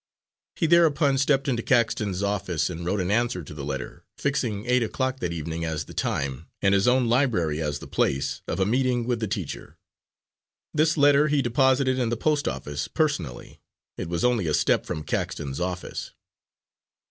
He thereupon stepped into Caxton's office and wrote an answer to the letter, fixing eight o'clock that evening as the time, and his own library as the place, of a meeting with the teacher. This letter he deposited in the post office personally it was only a step from Caxton's office.